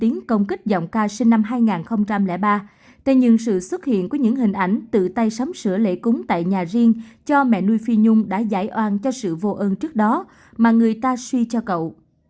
nhưng sự xuất hiện của những hình ảnh tự tay sắm sữa lễ cúng tại nhà riêng cho mẹ nuôi phi nhung đã giải oan cho sự vô ơn trước đó mà người ta suy cho cậu